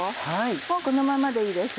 もうこのままでいいです